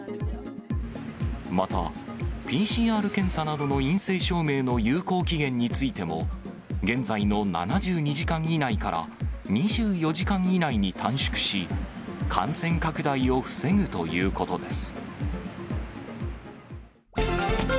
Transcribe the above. また、ＰＣＲ検査などの陰性証明の有効期限についても、現在の７２時間以内から２４時間以内に短縮し、感染拡大を防ぐということです。